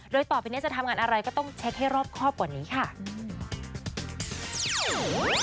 โดยต่อไปนี้จะทำงานอะไรก็ต้องเช็คให้รอบครอบกว่านี้ค่ะ